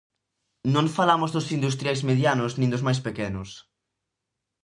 Non falamos dos industriais medianos nin dos máis pequenos.